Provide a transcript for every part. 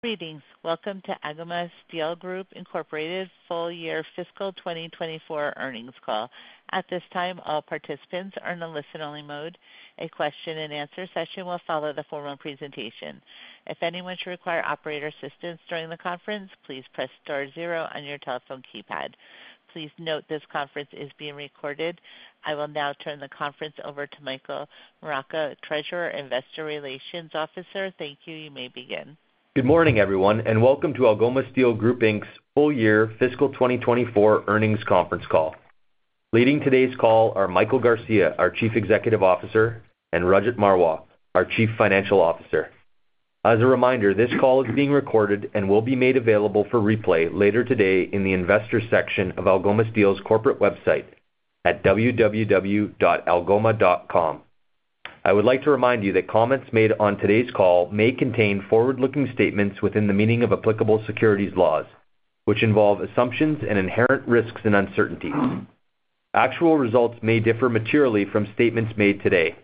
Greetings. Welcome to Algoma Steel Group Incorporated Full Year Fiscal 2024 Earnings Call. At this time, all participants are in a listen-only mode. A question-and-answer session will follow the formal presentation. If anyone should require operator assistance during the conference, please press star zero on your telephone keypad. Please note this conference is being recorded. I will now turn the conference over to Michael Moraca, Treasurer, Investor Relations Officer. Thank you. You may begin. Good morning, everyone, and welcome to Algoma Steel Group Inc.'s Full Year Fiscal 2024 Earnings Conference Call. Leading today's call are Michael Garcia, our Chief Executive Officer, and Rajat Marwah, our Chief Financial Officer. As a reminder, this call is being recorded and will be made available for replay later today in the Investors section of Algoma Steel's corporate website at www.algoma.com. I would like to remind you that comments made on today's call may contain forward-looking statements within the meaning of applicable securities laws, which involve assumptions and inherent risks and uncertainties. Actual results may differ materially from statements made today.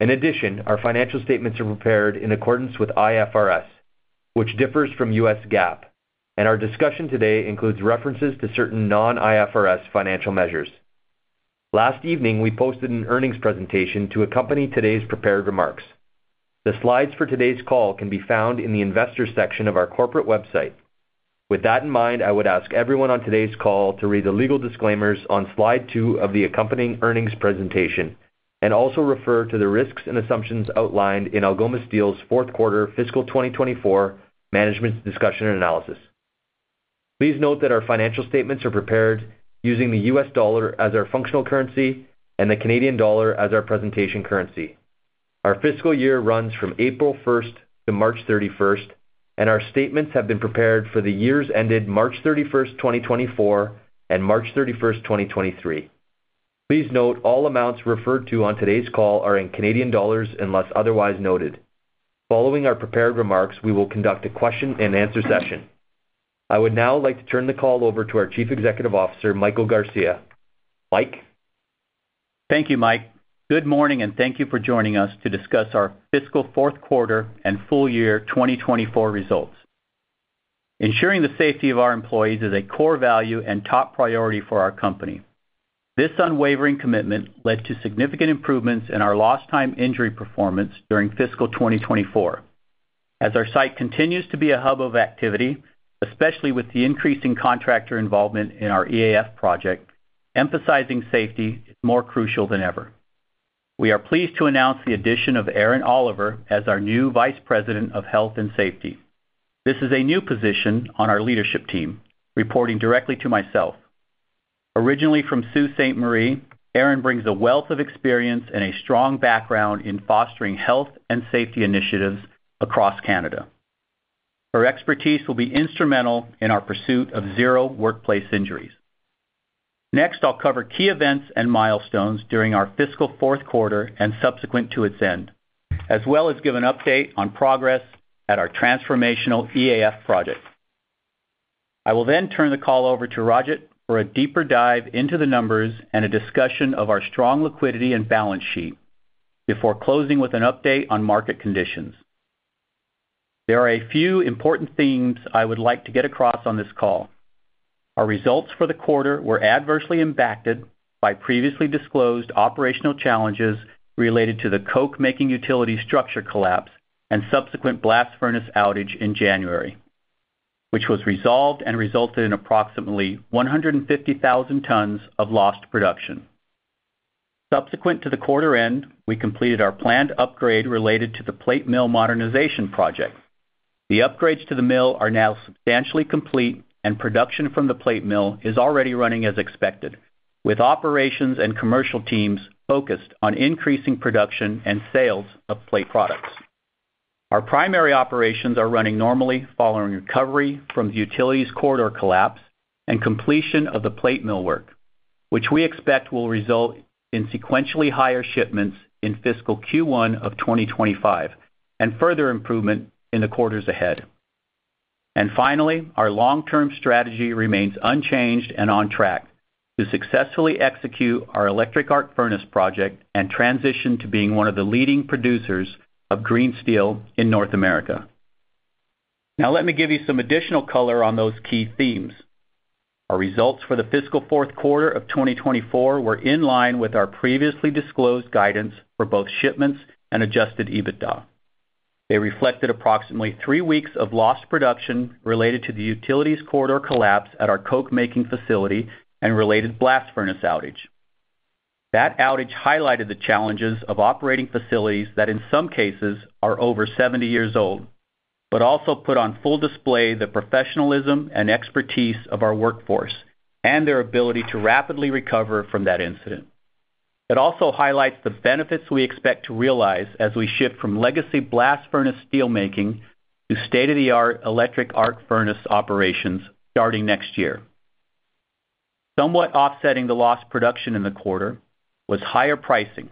In addition, our financial statements are prepared in accordance with IFRS, which differs from U.S. GAAP, and our discussion today includes references to certain non-IFRS financial measures. Last evening, we posted an earnings presentation to accompany today's prepared remarks. The slides for today's call can be found in the Investors section of our corporate website. With that in mind, I would ask everyone on today's call to read the legal disclaimers on slide two of the accompanying earnings presentation, and also refer to the risks and assumptions outlined in Algoma Steel's fourth quarter fiscal 2024 management's discussion and analysis. Please note that our financial statements are prepared using the U.S. dollar as our functional currency and the Canadian dollar as our presentation currency. Our fiscal year runs from April 1st to March 31st, and our statements have been prepared for the years ended March 31st, 2024, and March 31st, 2023. Please note, all amounts referred to on today's call are in Canadian dollars, unless otherwise noted. Following our prepared remarks, we will conduct a question-and-answer session. I would now like to turn the call over to our Chief Executive Officer, Michael Garcia. Mike? Thank you, Mike. Good morning, and thank you for joining us to discuss our fiscal fourth quarter and full year 2024 results. Ensuring the safety of our employees is a core value and top priority for our company. This unwavering commitment led to significant improvements in our lost time injury performance during fiscal 2024. As our site continues to be a hub of activity, especially with the increasing contractor involvement in our EAF project, emphasizing safety is more crucial than ever. We are pleased to announce the addition of Erin Oliver as our new Vice President of Health and Safety. This is a new position on our leadership team, reporting directly to myself. Originally from Sault Ste. Marie, Erin brings a wealth of experience and a strong background in fostering health and safety initiatives across Canada. Her expertise will be instrumental in our pursuit of zero workplace injuries. Next, I'll cover key events and milestones during our fiscal fourth quarter and subsequent to its end, as well as give an update on progress at our transformational EAF project. I will then turn the call over to Rajit for a deeper dive into the numbers and a discussion of our strong liquidity and balance sheet before closing with an update on market conditions. There are a few important themes I would like to get across on this call. Our results for the quarter were adversely impacted by previously disclosed operational challenges related to the coke-making utility structure collapse and subsequent blast furnace outage in January, which was resolved and resulted in approximately 150,000 tons of lost production. Subsequent to the quarter end, we completed our planned upgrade related to the plate mill modernization project. The upgrades to the mill are now substantially complete, and production from the plate mill is already running as expected, with operations and commercial teams focused on increasing production and sales of plate products. Our primary operations are running normally following recovery from the utilities corridor collapse and completion of the plate mill work, which we expect will result in sequentially higher shipments in fiscal Q1 of 2025 and further improvement in the quarters ahead. And finally, our long-term strategy remains unchanged and on track to successfully execute our electric arc furnace project and transition to being one of the leading producers of green steel in North America. Now, let me give you some additional color on those key themes. Our results for the fiscal fourth quarter of 2024 were in line with our previously disclosed guidance for both shipments and Adjusted EBITDA. They reflected approximately 3 weeks of lost production related to the utilities corridor collapse at our coke-making facility and related blast furnace outage. That outage highlighted the challenges of operating facilities that, in some cases, are over 70 years old, but also put on full display the professionalism and expertise of our workforce and their ability to rapidly recover from that incident. It also highlights the benefits we expect to realize as we shift from legacy blast furnace steel making to state-of-the-art electric arc furnace operations starting next year. Somewhat offsetting the lost production in the quarter was higher pricing.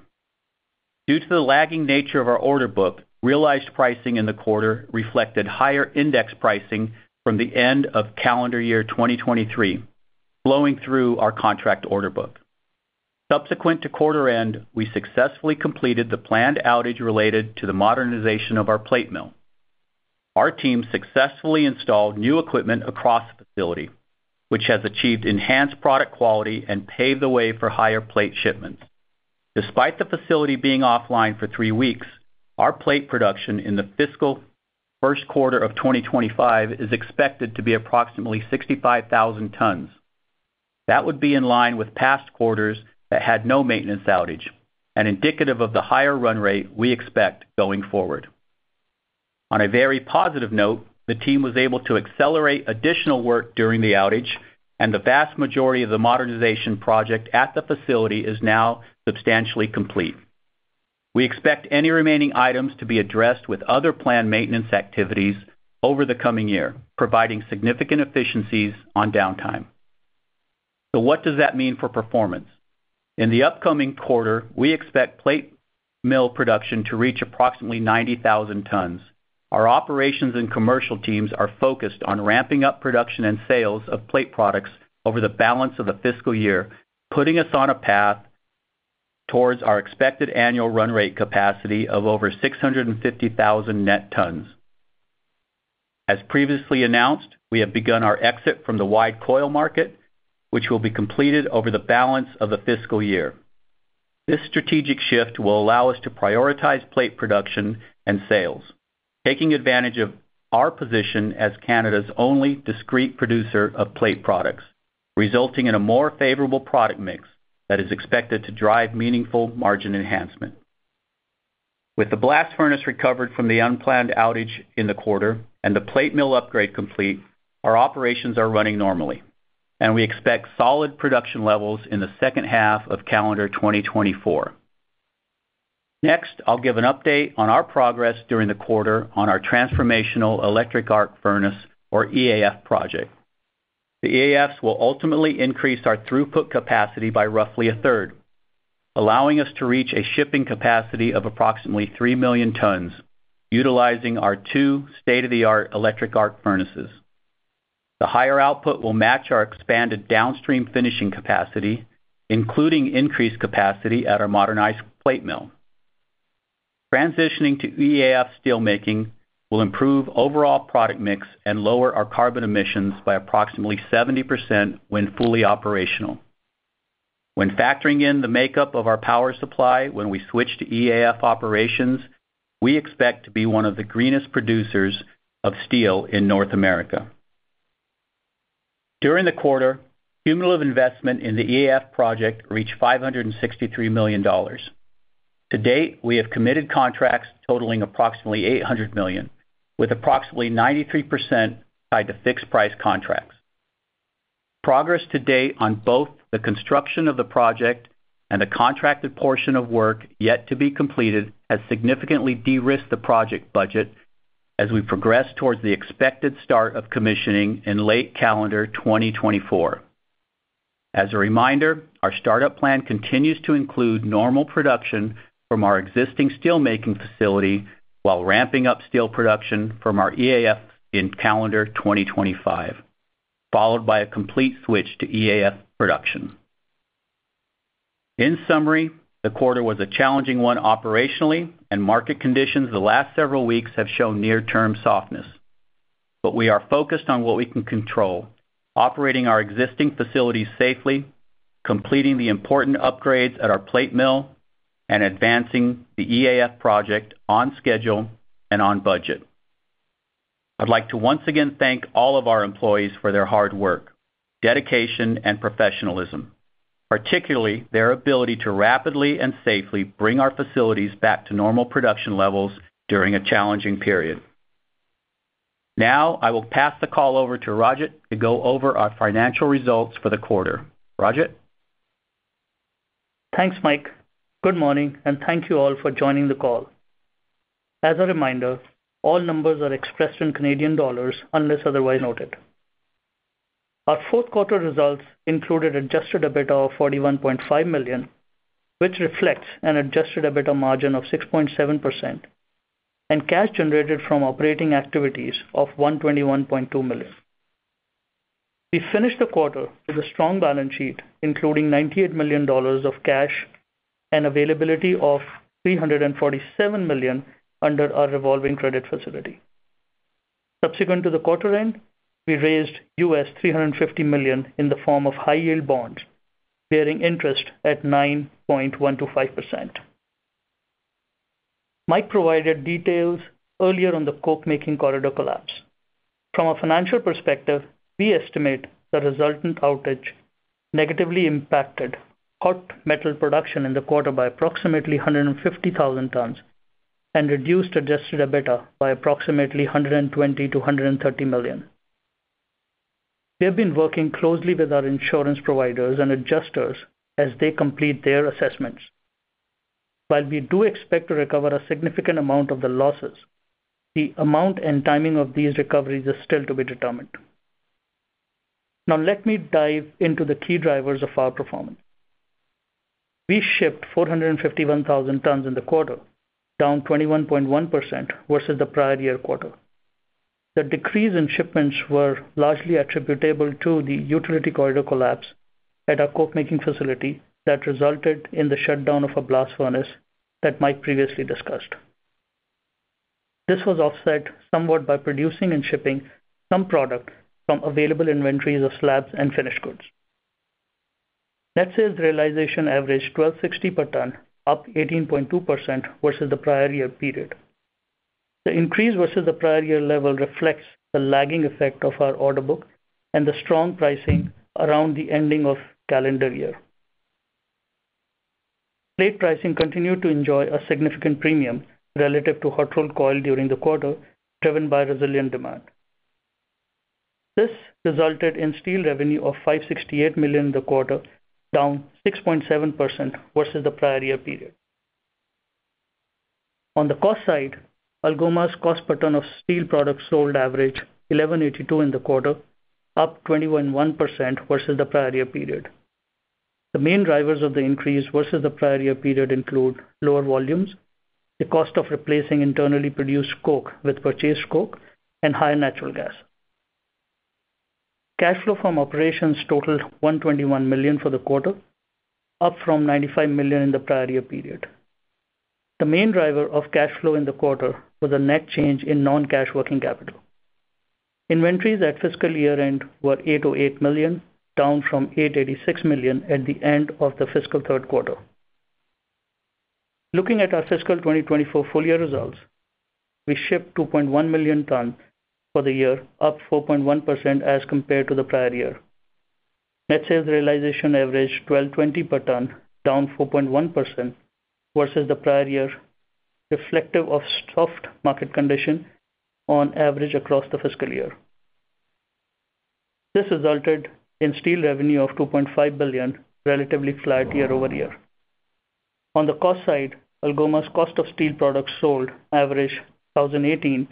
Due to the lagging nature of our order book, realized pricing in the quarter reflected higher index pricing from the end of calendar year 2023, flowing through our contract order book.... Subsequent to quarter end, we successfully completed the planned outage related to the modernization of our plate mill. Our team successfully installed new equipment across the facility, which has achieved enhanced product quality and paved the way for higher plate shipments. Despite the facility being offline for 3 weeks, our plate production in the fiscal first quarter of 2025 is expected to be approximately 65,000 tons. That would be in line with past quarters that had no maintenance outage, and indicative of the higher run rate we expect going forward. On a very positive note, the team was able to accelerate additional work during the outage, and the vast majority of the modernization project at the facility is now substantially complete. We expect any remaining items to be addressed with other planned maintenance activities over the coming year, providing significant efficiencies on downtime. So what does that mean for performance? In the upcoming quarter, we expect plate mill production to reach approximately 90,000 tons. Our operations and commercial teams are focused on ramping up production and sales of plate products over the balance of the fiscal year, putting us on a path towards our expected annual run rate capacity of over 650,000 net tons. As previously announced, we have begun our exit from the wide coil market, which will be completed over the balance of the fiscal year. This strategic shift will allow us to prioritize plate production and sales, taking advantage of our position as Canada's only discrete producer of plate products, resulting in a more favorable product mix that is expected to drive meaningful margin enhancement. With the blast furnace recovered from the unplanned outage in the quarter and the plate mill upgrade complete, our operations are running normally, and we expect solid production levels in the second half of calendar 2024. Next, I'll give an update on our progress during the quarter on our transformational electric arc furnace, or EAF, project. The EAFs will ultimately increase our throughput capacity by roughly a third, allowing us to reach a shipping capacity of approximately 3 million tons, utilizing our two state-of-the-art electric arc furnaces. The higher output will match our expanded downstream finishing capacity, including increased capacity at our modernized plate mill. Transitioning to EAF steelmaking will improve overall product mix and lower our carbon emissions by approximately 70% when fully operational. When factoring in the makeup of our power supply, when we switch to EAF operations, we expect to be one of the greenest producers of steel in North America. During the quarter, cumulative investment in the EAF project reached $563 million. To date, we have committed contracts totaling approximately 800 million, with approximately 93% tied to fixed-price contracts. Progress to date on both the construction of the project and the contracted portion of work yet to be completed, has significantly de-risked the project budget as we progress towards the expected start of commissioning in late calendar 2024. As a reminder, our startup plan continues to include normal production from our existing steelmaking facility, while ramping up steel production from our EAF in calendar 2025, followed by a complete switch to EAF production. In summary, the quarter was a challenging one operationally, and market conditions the last several weeks have shown near-term softness. But we are focused on what we can control, operating our existing facilities safely, completing the important upgrades at our plate mill, and advancing the EAF project on schedule and on budget. I'd like to once again thank all of our employees for their hard work, dedication, and professionalism, particularly their ability to rapidly and safely bring our facilities back to normal production levels during a challenging period. Now, I will pass the call over to Rajit to go over our financial results for the quarter. Rajit? Thanks, Mike. Good morning, and thank you all for joining the call. As a reminder, all numbers are expressed in Canadian dollars, unless otherwise noted. Our fourth quarter results included Adjusted EBITDA of 41.5 million, which reflects an Adjusted EBITDA margin of 6.7%, and cash generated from operating activities of 121.2 million. We finished the quarter with a strong balance sheet, including 98 million dollars of cash and availability of 347 million under our revolving credit facility. Subsequent to the quarter end, we raised $350 million in the form of high-yield bonds, bearing interest at 9.125%. Mike provided details earlier on the coke-making corridor collapse. From a financial perspective, we estimate the resultant outage negatively impacted hot metal production in the quarter by approximately 150,000 tons and reduced Adjusted EBITDA by approximately $120 million-$130 million. We have been working closely with our insurance providers and adjusters as they complete their assessments. While we do expect to recover a significant amount of the losses, the amount and timing of these recoveries is still to be determined. Now, let me dive into the key drivers of our performance. We shipped 451,000 tons in the quarter, down 21.1% versus the prior year quarter. The decrease in shipments were largely attributable to the utility corridor collapse at our coke-making facility that resulted in the shutdown of a blast furnace that Mike previously discussed. This was offset somewhat by producing and shipping some product from available inventories of slabs and finished goods. Net sales realization averaged 1,260 per ton, up 18.2% versus the prior year period. The increase versus the prior year level reflects the lagging effect of our order book and the strong pricing around the ending of calendar year. Plate pricing continued to enjoy a significant premium relative to hot-rolled coil during the quarter, driven by resilient demand. This resulted in steel revenue of 568 million in the quarter, down 6.7% versus the prior year period. On the cost side, Algoma's cost per ton of steel products sold averaged 1,182 in the quarter, up 21.1% versus the prior year period. The main drivers of the increase versus the prior year period include lower volumes, the cost of replacing internally produced coke with purchased coke, and higher natural gas. Cash flow from operations totaled 121 million for the quarter, up from 95 million in the prior year period. The main driver of cash flow in the quarter was a net change in non-cash working capital. Inventories at fiscal year-end were 808 million, down from 886 million at the end of the fiscal third quarter. Looking at our fiscal 2024 full-year results, we shipped 2.1 million tons for the year, up 4.1% as compared to the prior year. Net sales realization averaged 1,220 per ton, down 4.1% versus the prior year, reflective of soft market condition on average across the fiscal year. This resulted in steel revenue of $2.5 billion, relatively flat year-over-year. On the cost side, Algoma's cost of steel products sold averaged $1,018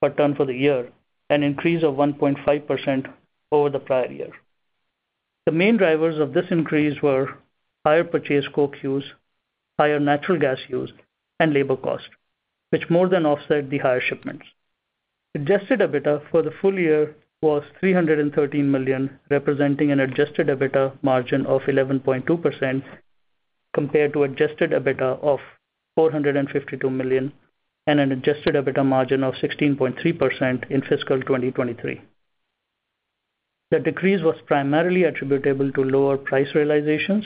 per ton for the year, an increase of 1.5% over the prior year. The main drivers of this increase were higher purchased coke use, higher natural gas use, and labor cost, which more than offset the higher shipments. Adjusted EBITDA for the full year was $313 million, representing an adjusted EBITDA margin of 11.2%, compared to adjusted EBITDA of $452 million and an adjusted EBITDA margin of 16.3% in fiscal 2023. The decrease was primarily attributable to lower price realizations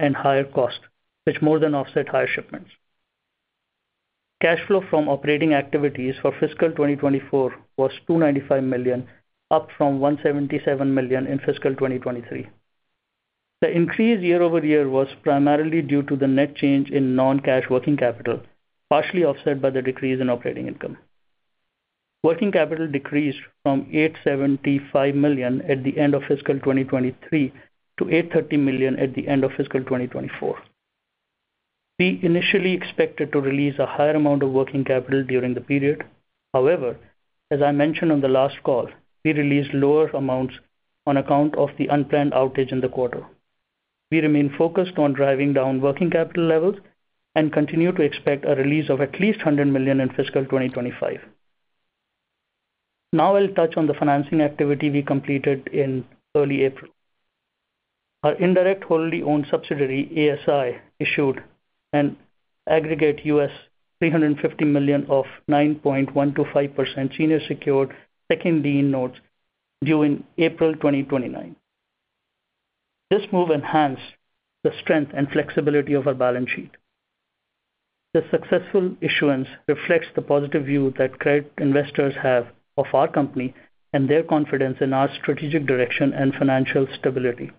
and higher costs, which more than offset higher shipments. Cash flow from operating activities for fiscal 2024 was 295 million, up from 177 million in fiscal 2023. The increase year-over-year was primarily due to the net change in Non-Cash Working Capital, partially offset by the decrease in operating income. Working capital decreased from 875 million at the end of fiscal 2023 to 830 million at the end of fiscal 2024. We initially expected to release a higher amount of working capital during the period. However, as I mentioned on the last call, we released lower amounts on account of the unplanned outage in the quarter. We remain focused on driving down working capital levels and continue to expect a release of at least 100 million in fiscal 2025. Now I'll touch on the financing activity we completed in early April. Our indirect, wholly-owned subsidiary, ASI, issued an aggregate $350 million of 9.15% senior secured second lien notes due in April 2029. This move enhanced the strength and flexibility of our balance sheet. The successful issuance reflects the positive view that credit investors have of our company and their confidence in our strategic direction and financial stability.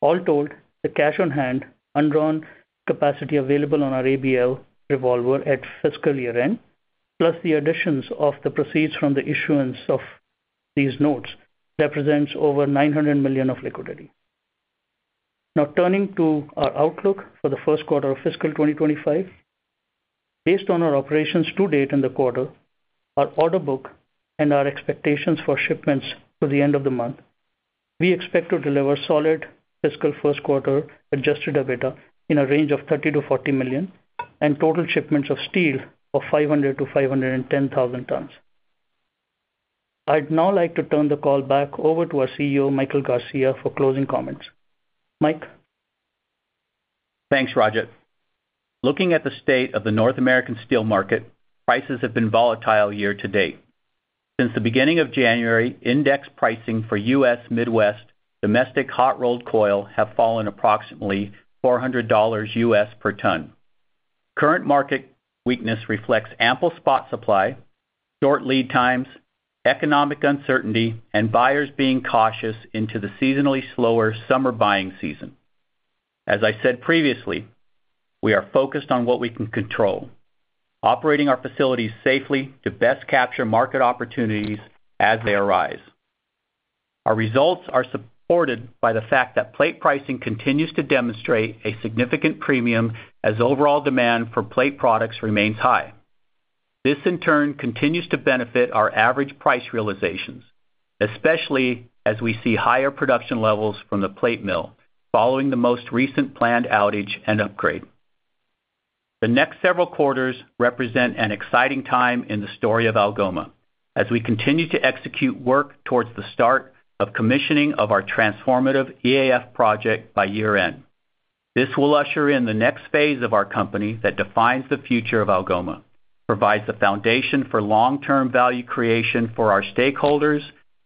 All told, the cash on hand, undrawn capacity available on our ABL revolver at fiscal year-end, plus the additions of the proceeds from the issuance of these notes, represents over $900 million of liquidity. Now, turning to our outlook for the first quarter of fiscal 2025. Based on our operations to date in the quarter, our order book, and our expectations for shipments through the end of the month, we expect to deliver solid fiscal first quarter Adjusted EBITDA in a range of 30 million-40 million, and total shipments of steel of 500,000 tons-510,000 tons. I'd now like to turn the call back over to our CEO, Michael Garcia, for closing comments. Mike? Thanks, Rajit. Looking at the state of the North American steel market, prices have been volatile year to date. Since the beginning of January, index pricing for U.S. Midwest domestic hot-rolled coil have fallen approximately $400 per ton. Current market weakness reflects ample spot supply, short lead times, economic uncertainty, and buyers being cautious into the seasonally slower summer buying season. As I said previously, we are focused on what we can control, operating our facilities safely to best capture market opportunities as they arise. Our results are supported by the fact that plate pricing continues to demonstrate a significant premium as overall demand for plate products remains high. This, in turn, continues to benefit our average price realizations, especially as we see higher production levels from the plate mill following the most recent planned outage and upgrade. The next several quarters represent an exciting time in the story of Algoma, as we continue to execute work towards the start of commissioning of our transformative EAF project by year-end. This will usher in the next phase of our company that defines the future of Algoma, provides the foundation for long-term value creation for our stakeholders,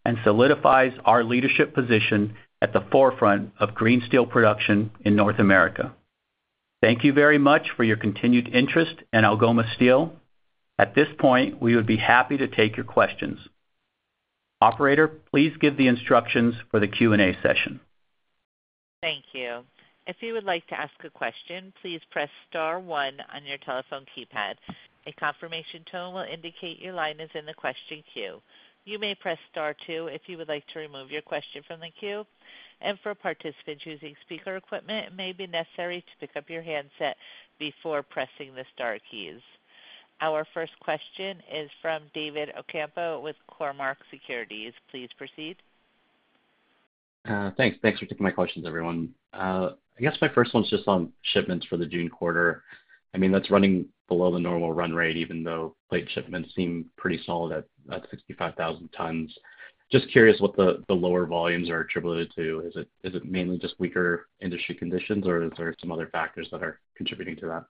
and solidifies our leadership position at the forefront of green steel production in North America. Thank you very much for your continued interest in Algoma Steel. At this point, we would be happy to take your questions. Operator, please give the instructions for the Q&A session. Thank you. If you would like to ask a question, please press star one on your telephone keypad. A confirmation tone will indicate your line is in the question queue. You may press star two if you would like to remove your question from the queue, and for participants using speaker equipment, it may be necessary to pick up your handset before pressing the star keys. Our first question is from David Ocampo with Cormark Securities. Please proceed. Thanks for taking my questions, everyone. I guess my first one's just on shipments for the June quarter. I mean, that's running below the normal run rate, even though plate shipments seem pretty solid at 65,000 tons. Just curious what the lower volumes are attributed to. Is it mainly just weaker industry conditions, or is there some other factors that are contributing to that?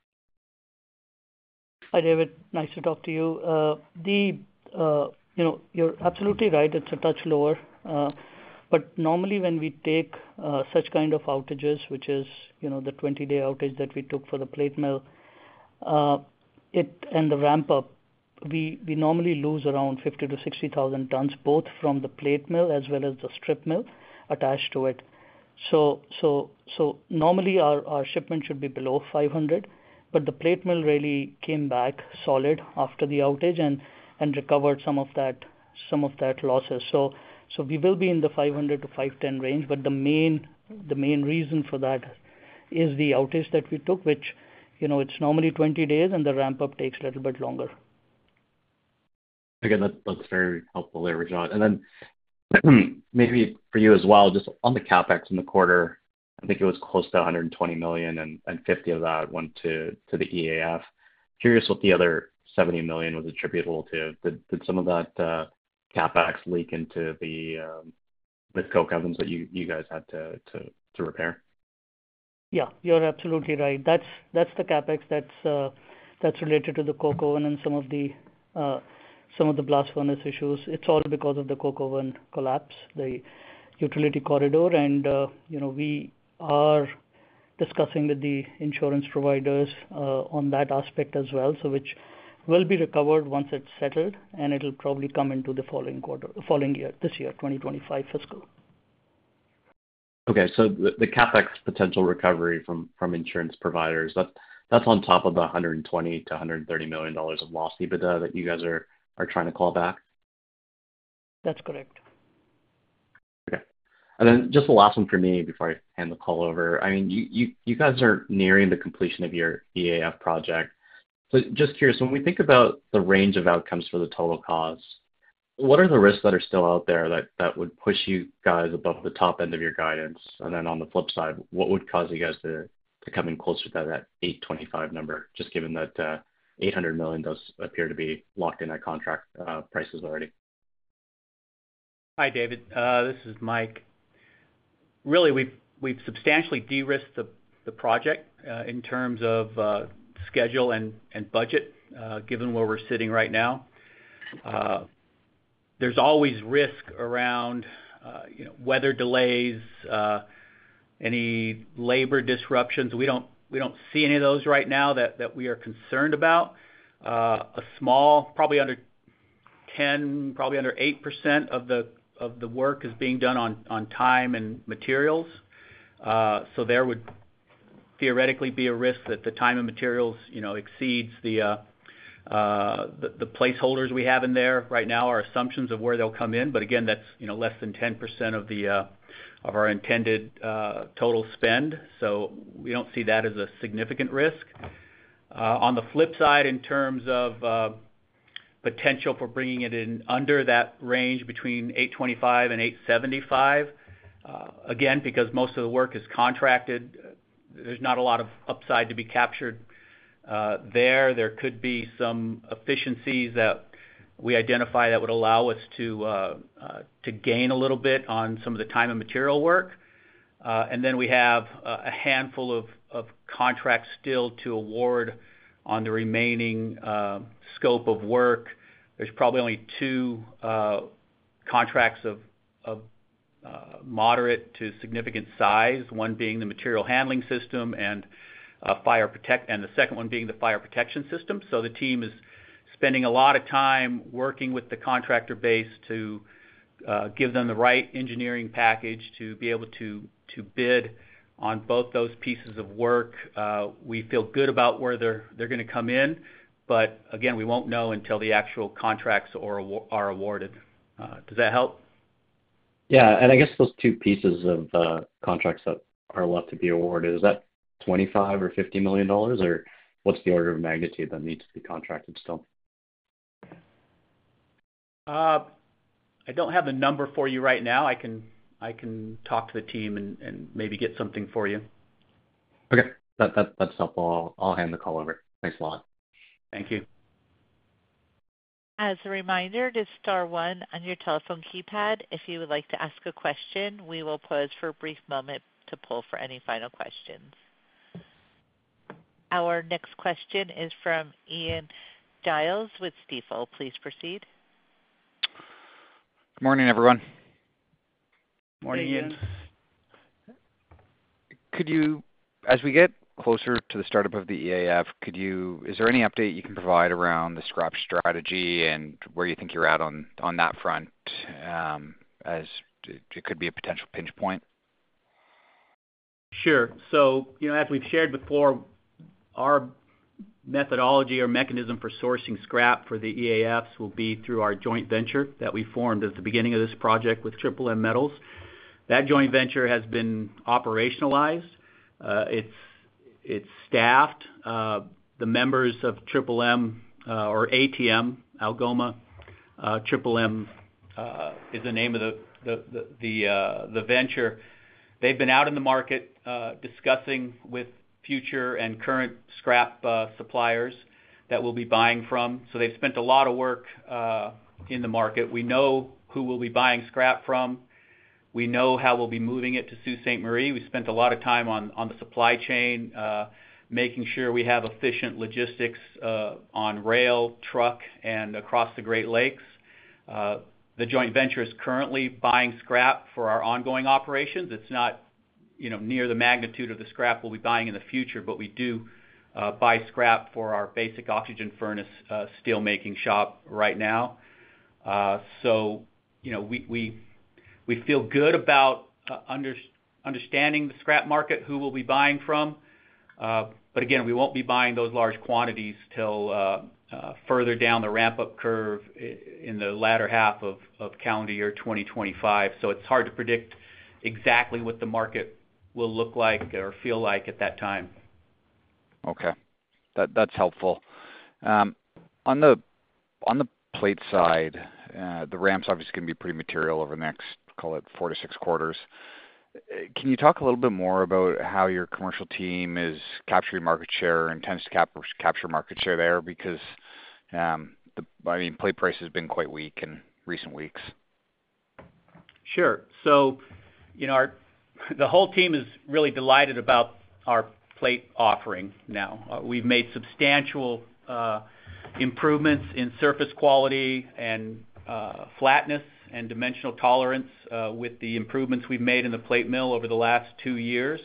Hi, David. Nice to talk to you. You know, you're absolutely right, it's a touch lower. But normally, when we take such kind of outages, which is, you know, the 20-day outage that we took for the plate mill, and the ramp-up, we normally lose around 50,000 tons-60,000 tons, both from the plate mill as well as the strip mill attached to it. So normally our shipment should be below 500, but the plate mill really came back solid after the outage and recovered some of that, some of that losses. So we will be in the 500-510 range, but the main reason for that is the outage that we took, which, you know, it's normally 20 days, and the ramp-up takes a little bit longer. Again, that, that's very helpful there, Rajit. Then, maybe for you as well, just on the CapEx in the quarter, I think it was close to 120 million, and 50 of that went to the EAF. Curious what the other 70 million was attributable to. Did some of that CapEx leak into the coke ovens that you guys had to repair? Yeah, you're absolutely right. That's, that's the CapEx that's related to the coke oven and some of the, some of the blast furnace issues. It's all because of the coke oven collapse, the utility corridor, and, you know, we are discussing with the insurance providers on that aspect as well, so which will be recovered once it's settled, and it'll probably come into the following quarter, the following year, this year, 2025 fiscal. Okay, so the CapEx potential recovery from insurance providers, that's on top of the $120 million-$130 million of lost EBITDA that you guys are trying to call back? That's correct. Okay. And then just the last one for me before I hand the call over. I mean, you guys are nearing the completion of your EAF project. So just curious, when we think about the range of outcomes for the total cost, what are the risks that are still out there that would push you guys above the top end of your guidance? And then on the flip side, what would cause you guys to come in closer to that eight twenty-five number, just given that eight hundred million does appear to be locked in at contract prices already? Hi, David. This is Mike. Really, we've substantially de-risked the project, in terms of, schedule and budget, given where we're sitting right now. There's always risk around, you know, weather delays, any labor disruptions. We don't see any of those right now that we are concerned about. A small, probably under 10, probably under 8% of the work is being done on time and materials. So there would theoretically be a risk that the time and materials, you know, exceeds the placeholders we have in there right now, our assumptions of where they'll come in. But again, that's, you know, less than 10% of our intended total spend, so we don't see that as a significant risk. On the flip side, in terms of potential for bringing it in under that range, between $825 and $875, again, because most of the work is contracted, there's not a lot of upside to be captured there. There could be some efficiencies that we identify that would allow us to gain a little bit on some of the time and material work. And then we have a handful of contracts still to award on the remaining scope of work. There's probably only two contracts of moderate to significant size, one being the material handling system and the second one being the fire protection system. So the team is spending a lot of time working with the contractor base to give them the right engineering package to be able to bid on both those pieces of work. We feel good about where they're gonna come in, but again, we won't know until the actual contracts are awarded. Does that help? Yeah, and I guess those two pieces of contracts that are left to be awarded, is that $25 million or $50 million? Or what's the order of magnitude that needs to be contracted still? I don't have the number for you right now. I can, I can talk to the team and, and maybe get something for you. Okay. That's helpful. I'll hand the call over. Thanks a lot. Thank you. As a reminder, just star one on your telephone keypad, if you would like to ask a question. We will pause for a brief moment to poll for any final questions. Our next question is from Ian Gillies with Stifel. Please proceed. Good morning, everyone. Morning, Ian. Morning. As we get closer to the startup of the EAF, is there any update you can provide around the scrap strategy and where you think you're at on that front, as it could be a potential pinch point? Sure. So, you know, as we've shared before, our methodology or mechanism for sourcing scrap for the EAFs will be through our joint venture that we formed at the beginning of this project with Triple M Metal. That joint venture has been operationalized. It's staffed, the members of Triple M or ATM, Algoma Triple M is the name of the venture. They've been out in the market, discussing with future and current scrap suppliers that we'll be buying from. So they've spent a lot of work in the market. We know who we'll be buying scrap from. We know how we'll be moving it to Sault Ste. Marie. We spent a lot of time on the supply chain, making sure we have efficient logistics on rail, truck, and across the Great Lakes. The joint venture is currently buying scrap for our ongoing operations. It's not, you know, near the magnitude of the scrap we'll be buying in the future, but we do buy scrap for our Basic Oxygen Furnace, steelmaking shop right now. So you know, we feel good about understanding the scrap market, who we'll be buying from. But again, we won't be buying those large quantities till further down the ramp-up curve in the latter half of calendar year 2025. So it's hard to predict exactly what the market will look like or feel like at that time. Okay. That's helpful. On the plate side, the ramps obviously can be pretty material over the next, call it 4-6 quarters. Can you talk a little bit more about how your commercial team is capturing market share and tends to capture market share there? Because, I mean, the plate price has been quite weak in recent weeks. Sure. So, you know, the whole team is really delighted about our plate offering now. We've made substantial improvements in surface quality and flatness and dimensional tolerance with the improvements we've made in the plate mill over the last two years.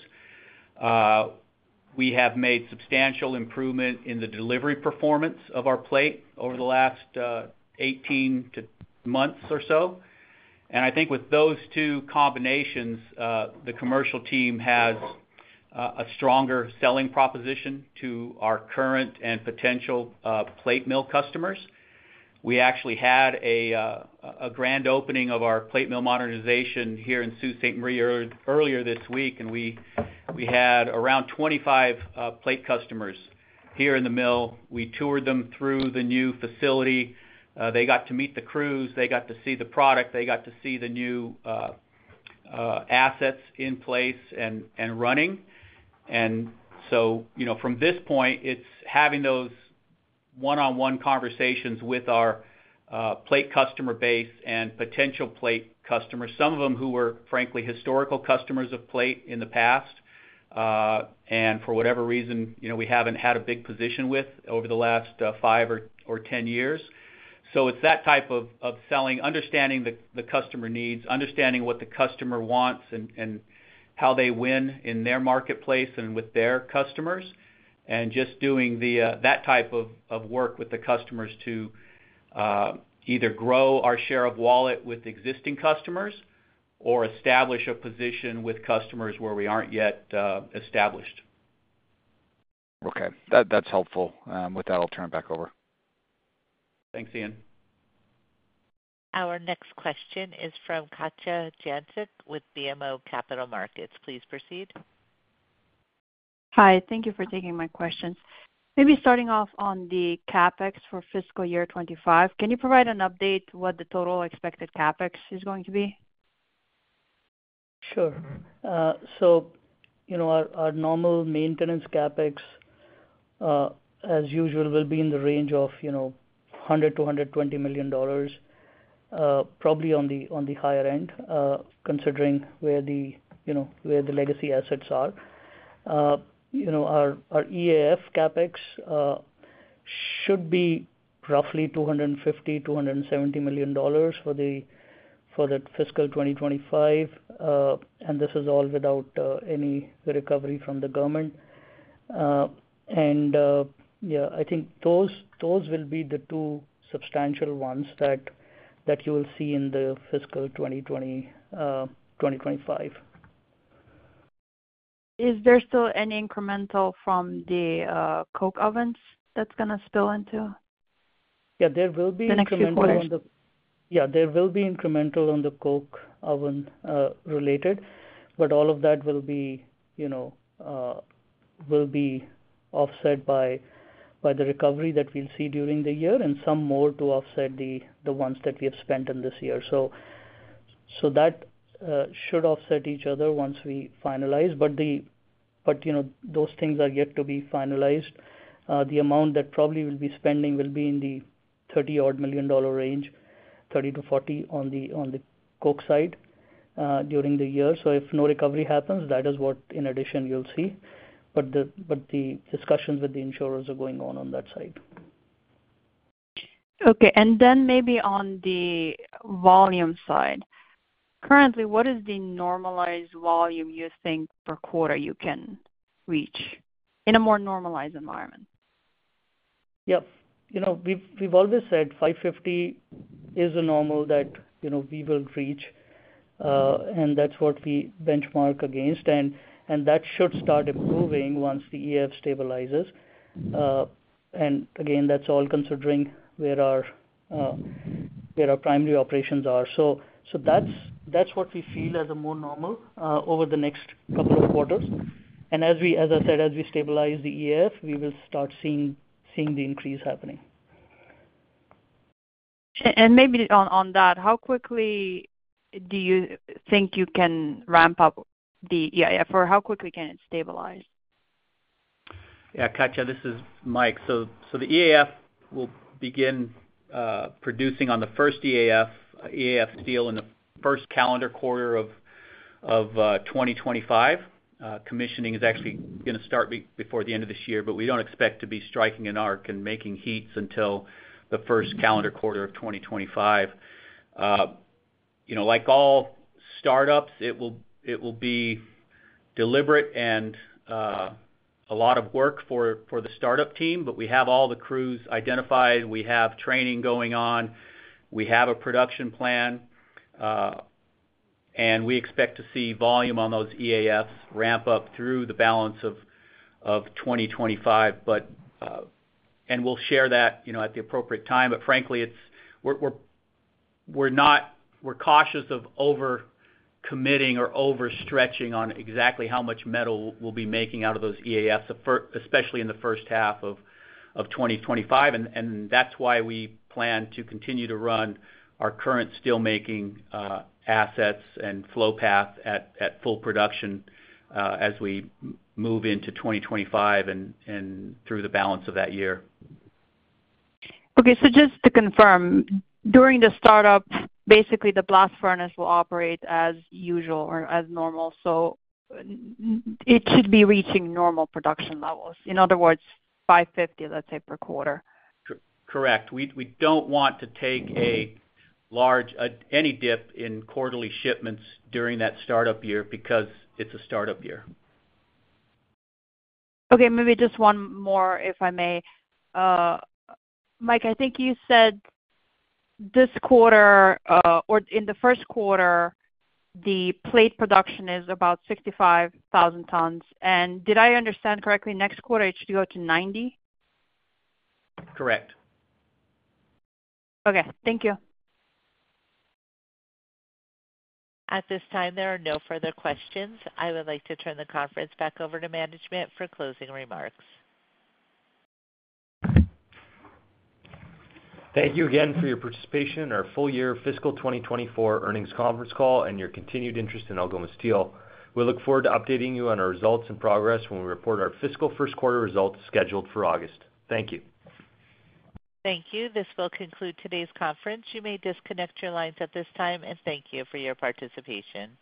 We have made substantial improvement in the delivery performance of our plate over the last 18 months or so. And I think with those two combinations, the commercial team has a stronger selling proposition to our current and potential plate mill customers. We actually had a grand opening of our plate mill modernization here in Sault Ste. Marie earlier this week, and we had around 25 plate customers here in the mill. We toured them through the new facility. They got to meet the crews, they got to see the product, they got to see the new assets in place and running. And so, you know, from this point, it's having those one-on-one conversations with our plate customer base and potential plate customers, some of them who were, frankly, historical customers of plate in the past, and for whatever reason, you know, we haven't had a big position with over the last 5 or 10 years. So it's that type of selling, understanding the customer needs, understanding what the customer wants and how they win in their marketplace and with their customers, and just doing that type of work with the customers to either grow our share of wallet with existing customers or establish a position with customers where we aren't yet established. Okay, that, that's helpful. With that, I'll turn it back over. Thanks, Ian. Our next question is from Katja Jancic with BMO Capital Markets. Please proceed. Hi, thank you for taking my questions. Maybe starting off on the CapEx for fiscal year 2025, can you provide an update what the total expected CapEx is going to be? Sure. So you know, our, our normal maintenance CapEx, as usual, will be in the range of, you know, 100 million-120 million dollars, probably on the, on the higher end, considering where the, you know, where the legacy assets are. You know, our, our EAF CapEx, should be roughly 250 million-270 million dollars for the, for the Fiscal 2025. And this is all without, any recovery from the government. And, yeah, I think those, those will be the two substantial ones that, that you will see in the fiscal 2025. Is there still any incremental from the coke ovens that's gonna spill into- Yeah, there will be incremental on the- the next few quarters? Yeah, there will be incremental on the coke oven related, but all of that will be, you know, will be offset by, by the recovery that we'll see during the year, and some more to offset the, the ones that we have spent in this year. So, so that should offset each other once we finalize. But, but, you know, those things are yet to be finalized. The amount that probably we'll be spending will be in the $30-odd million range, $30 million-$40 million on the coke side during the year. So if no recovery happens, that is what in addition you'll see. But the discussions with the insurers are going on on that side. Okay, and then maybe on the volume side. Currently, what is the normalized volume you think per quarter you can reach in a more normalized environment? Yep. You know, we've always said $550 is a normal that, you know, we will reach, and that's what we benchmark against. And that should start improving once the EAF stabilizes. And again, that's all considering where our primary operations are. So that's what we feel as a more normal over the next couple of quarters. And as I said, as we stabilize the EAF, we will start seeing the increase happening. Maybe on that, how quickly do you think you can ramp up the EAF, or how quickly can it stabilize? Yeah, Katja, this is Mike. So, the EAF will begin producing on the first EAF, EAF steel in the first calendar quarter of 2025. Commissioning is actually gonna start before the end of this year, but we don't expect to be striking an arc and making heats until the first calendar quarter of 2025. You know, like all startups, it will be deliberate and a lot of work for the startup team, but we have all the crews identified. We have training going on. We have a production plan, and we expect to see volume on those EAFs ramp up through the balance of 2025. But, and we'll share that, you know, at the appropriate time. But frankly, it's... We're not cautious of over-committing or overstretching on exactly how much metal we'll be making out of those EAFs, especially in the first half of 2025. And that's why we plan to continue to run our current steelmaking assets and flow path at full production as we move into 2025 and through the balance of that year. Okay, so just to confirm, during the startup, basically the blast furnace will operate as usual or as normal, so it should be reaching normal production levels, in other words, 550, let's say, per quarter. Correct. We, we don't want to take a large, any dip in quarterly shipments during that startup year because it's a startup year. Okay, maybe just one more, if I may. Mike, I think you said this quarter, or in the first quarter, the plate production is about 65,000 tons. Did I understand correctly, next quarter it should go to 90? Correct. Okay, thank you. At this time, there are no further questions. I would like to turn the conference back over to management for closing remarks. Thank you again for your participation in our full year Fiscal 2024 earnings conference call, and your continued interest in Algoma Steel. We look forward to updating you on our results and progress when we report our fiscal first quarter results scheduled for August. Thank you. Thank you. This will conclude today's conference. You may disconnect your lines at this time, and thank you for your participation.